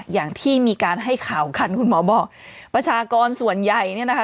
อย่างที่มีการให้ข่าวกันคุณหมอบอกประชากรส่วนใหญ่เนี่ยนะคะ